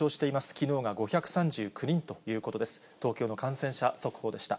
きのうが５３９人ということです。